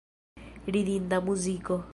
Ridinda muziko.